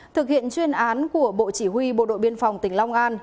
thực hiện chuyên án của bộ chỉ huy bộ đội biên phòng tỉnh long an